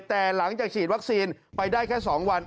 แต่หลังจากฉีดวัคซีนไปได้แค่๒วัน